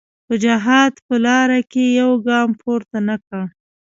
په جهاد په لاره کې یو ګام پورته نه کړ.